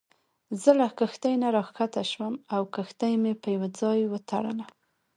زه له کښتۍ نه راکښته شوم او کښتۍ مې په یوه ځای وتړله.